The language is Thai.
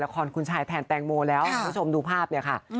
คอนคุณชายแทนแตงโมแล้วคุณผู้ชมดูภาพเนี่ยค่ะ